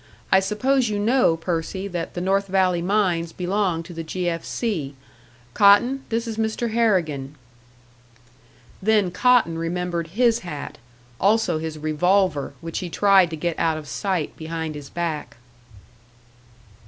I suppose you know, Percy, that the North Valley mines belong to the 'G. F. C.' Cotton, this is Mr. Harrigan." Then Cotton remembered his hat; also his revolver, which he tried to get out of sight behind his back.